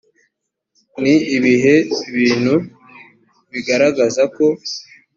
ni ibihe bintu bigaragaza ko